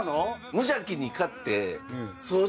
無邪気に買って掃除